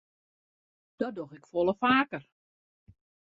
Dat doch ik folle faker.